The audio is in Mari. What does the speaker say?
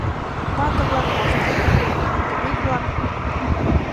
Вате-влак воштылыт, а фронтовик-влак!